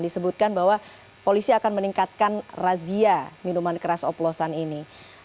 disebutkan bahwa polisi akan meningkatkan razia minuman keras oplosan ini